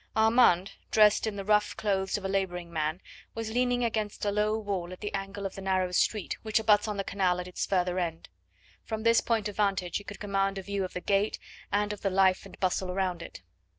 Armand, dressed in the rough clothes of a labouring man, was leaning against a low wall at the angle of the narrow street which abuts on the canal at its further end; from this point of vantage he could command a view of the gate and of the life and bustle around it.